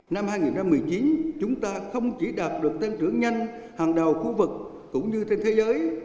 năm hai nghìn một mươi chín chúng ta không chỉ đạt được tăng trưởng nhanh hàng đầu khu vực cũng như trên thế giới